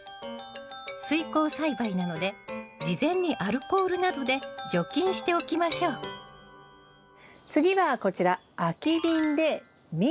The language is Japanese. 水耕栽培なので事前にアルコールなどで除菌しておきましょう次はこちら空き瓶でミントを育てます。